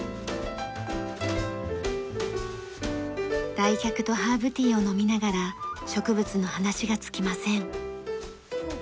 来客とハーブティーを飲みながら植物の話が尽きません。